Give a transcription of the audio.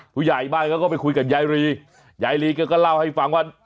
ผู้ใหญ่บ้านเขาก็ไปคุยกับยายลียายลีแกก็เล่าให้ฟังว่า